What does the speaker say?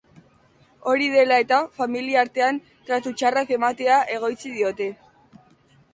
Hori dela eta, familiartean tratu txarrak ematea egotzi diote.